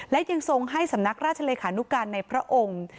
และยังทรงให้สำนักราชเลขานุการในพระองค์